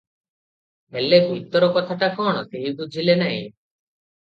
ହେଲେ ଭିତର କଥାଟା କଣ, କେହି ବୁଝିଲେ ନାହିଁ ।